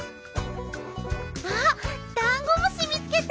あっだんごむしみつけた！